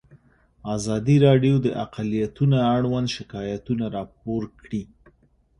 ازادي راډیو د اقلیتونه اړوند شکایتونه راپور کړي.